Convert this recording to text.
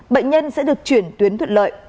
bệnh nhân sẽ được chuyển tuyến thuận lợi